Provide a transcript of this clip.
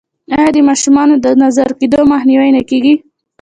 آیا د ماشومانو د نظر کیدو مخنیوی نه کیږي؟